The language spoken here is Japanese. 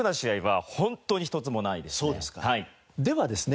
ではですね